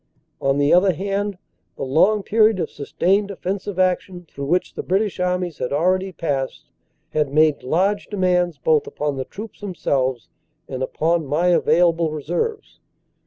"On the other hand, the long period of sustained offensive action through which the British Armies had already passed had made large demands both upon the troops themselves and upon my available reserves.